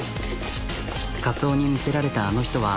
かつおに魅せられたあの人は。